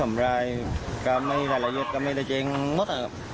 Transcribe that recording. ก็ไม่ได้รายละเอียดก็ไม่ได้เจ็งหมดนะครับ